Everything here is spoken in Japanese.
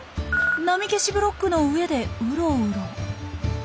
波消しブロックの上でうろうろ。